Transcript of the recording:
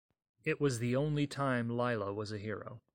It was the only time Lilah was a hero.